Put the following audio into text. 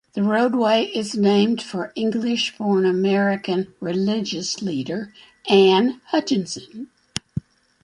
The roadway is named for English-born American religious leader Anne Hutchinson.